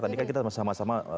tadi kan kita sama sama